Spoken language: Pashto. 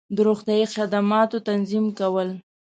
د روغتیایی خدماتو تنظیم کول